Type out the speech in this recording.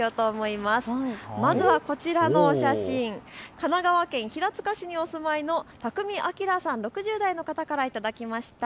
まずはこちらのお写真、神奈川県平塚市にお住まいの宅見啓さん、６０代の方からいただきました。